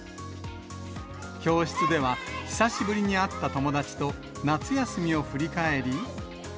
教室では、久しぶりに会った友達と夏休みを振り返り。